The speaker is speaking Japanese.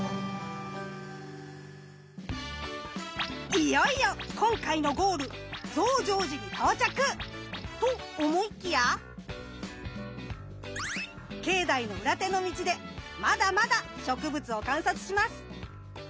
いよいよ今回のゴール増上寺に到着！と思いきや境内の裏手の道でまだまだ植物を観察します。